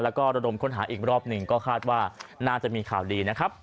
แล้วก็ระดมค้นหาอีกรอบหนึ่งก็คาดว่าน่าจะมีข่าวดีนะครับ